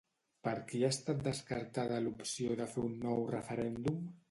Per qui ha estat descartada l'opció de fer un nou referèndum?